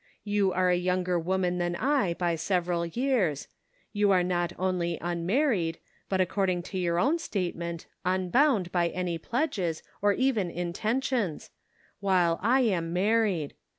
You are a younger woman than I by several years ; you are not only unmarried, but, according to your own statement, unbound by any pledges, or even intentions ; while I am married.